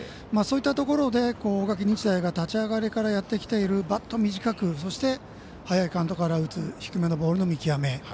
そういったところで大垣日大が立ち上がりからやってきているバット短くそして早いカウントから打つ低めのボールの見極め